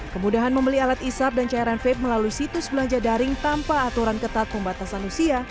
kemudahan membeli alat isap dan cairan vape melalui situs belanja daring tanpa aturan ketat pembatasan usia